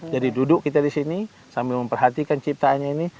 jadi duduk kita di sini sambil memperhatikan ciptaannya ini